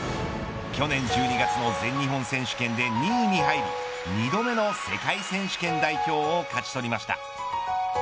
去年１２月の全日本選手権で２位に入り２度目の世界選手権代表を勝ち取りました。